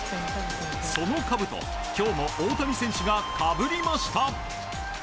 そのかぶと、今日も大谷選手がかぶりました。